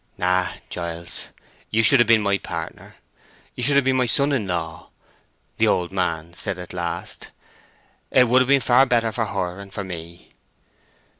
"Ah, Giles—you should have been my partner. You should have been my son in law," the old man said at last. "It would have been far better for her and for me."